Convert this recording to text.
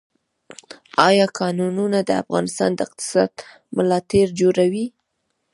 آیا کانونه د افغانستان د اقتصاد ملا تیر جوړوي؟